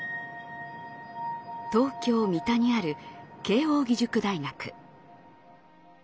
東京・三田にある慶應義塾大学。